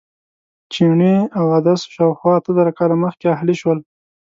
چڼې او عدس شاوخوا اته زره کاله مخکې اهلي شول.